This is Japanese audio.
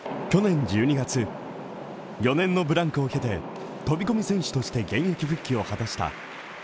去年１２月、４年のブランクを経て飛び込み選手として現役復帰を果たした。